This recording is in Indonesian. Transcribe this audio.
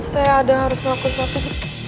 saya ada harus ngelakuin sesuatu